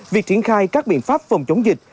việc triển khai các biện pháp phòng chống dịch